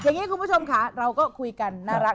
อย่างนี้คุณผู้ชมค่ะเราก็คุยกันน่ารัก